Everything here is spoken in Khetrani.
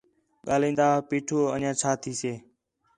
ڳاہلین٘دا ہا پیٹھو انڄیاں چھا تھیسے